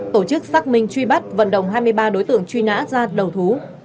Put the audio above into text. tổ chức xác minh truy bắt vận động hai mươi ba đối tượng truy nã ra đầu thú